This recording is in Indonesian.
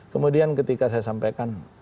kemudian ketika saya sampaikan